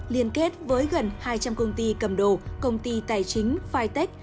liên kết với gần hai trăm linh công ty cầm đồ công ty tài chính phai tích